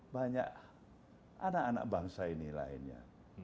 banyak anak anak bangsa ini lainnya